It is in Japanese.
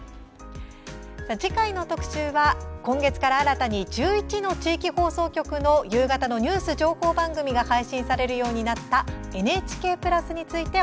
次回の特集は今月から新たに１１の地域放送局の夕方のニュース情報番組が配信されるようになったＮＨＫプラスについて。